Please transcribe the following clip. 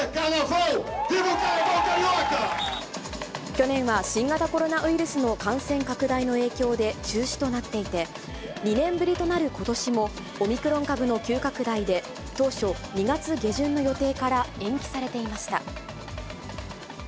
去年は新型コロナウイルスの感染拡大の影響で中止となっていて、２年ぶりとなることしも、オミクロン株の急拡大で、当初、２月下旬の予定から延期されていました。